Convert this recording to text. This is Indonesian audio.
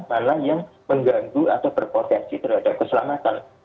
mana yang mengganggu atau berpotensi terhadap keselamatan